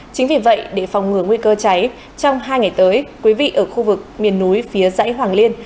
chính vì vậy để phòng ngừa nguy cơ cháy trong hai ngày tới quý vị ở khu vực miền núi phía dãy hoàng liên